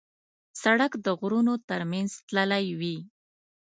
سړک د غرونو تر منځ تللی وي.